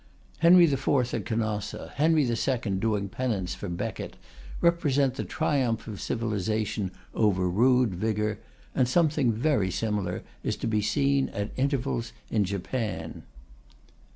Henry IV at Canossa, Henry II doing penance for Becket, represent the triumph of civilization over rude vigour; and something similar is to be seen at intervals in Japan.